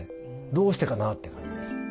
どうしてかな？って感じですよね。